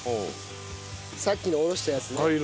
さっきのおろしたやつね。